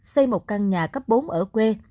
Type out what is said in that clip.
xây một căn nhà cấp bốn ở quê